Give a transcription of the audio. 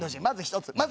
まず１つ。